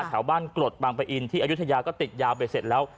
แถวบ้านกรดบางปะอินที่อายุทยาก็ติดยาวไปเสร็จแล้ว